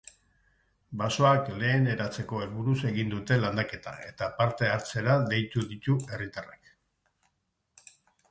Basoak leheneratzeko helburuz egingo dute landaketa, eta parte hartzera deitu ditu herritarrak.